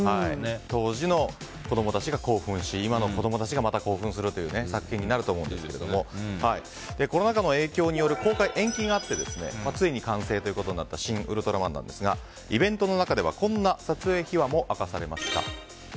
当時の子供たちが興奮し今の子供たちがまた興奮する作品になると思いますけどコロナ禍の影響による公開延期があって遂に完成ということになった「シン・ウルトラマン」なんですがイベントの中ではこんな撮影秘話も明かされました。